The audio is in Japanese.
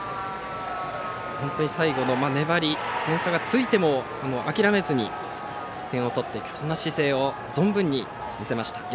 最後の粘り点差がついても諦めずに点を取っていく姿勢を存分に見せました。